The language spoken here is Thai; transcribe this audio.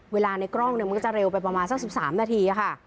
ในกล้องมันก็จะเร็วไปประมาณสัก๑๓นาทีค่ะ